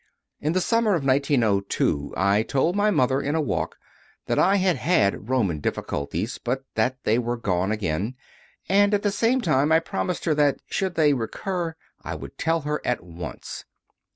4. In the summer of 1902 I told my mother, in a walk, that I had had Roman difficulties, but that they were gone again; and at the same time I promised her that, should they recur, I would tell her at once.